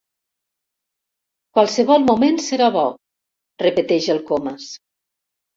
Qualsevol moment serà bo —repeteix el Comas.